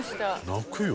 泣くよ